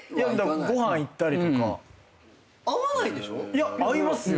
いや合いますよ。